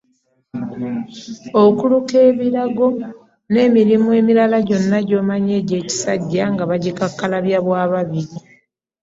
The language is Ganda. Okuluka ebirago n’emirimu emirala gyonna gy’omanyi egy’ekisajja nga bagikakkalabya bwa babiri.